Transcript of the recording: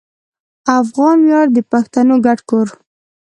افغان ویاړ د پښتنو ګډ کور